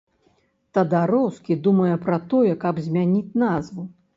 Тадароўскі думае пра тое, каб змяніць назву.